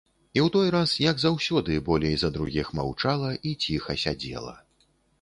І ў той раз, як заўсёды, болей за другіх маўчала і ціха сядзела.